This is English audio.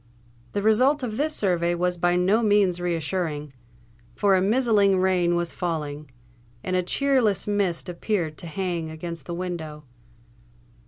The result of this survey was by no means reassuring; for a mizzling rain was falling, and a cheerless mist appeared to hang against the window.